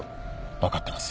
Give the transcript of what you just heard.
・分かってます。